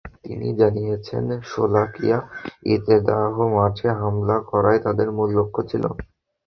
তিনি জানিয়েছেন, শোলাকিয়া ঈদগাহ মাঠে হামলা করাই তাঁদের মূল লক্ষ্য ছিল।